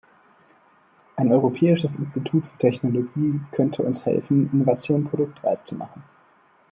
Ein Europäisches Institut für Technologie könnte uns helfen, Innovationen produktreif zu machen.